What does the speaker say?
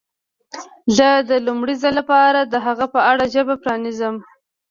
زه د لومړي ځل لپاره د هغه په اړه ژبه پرانیزم.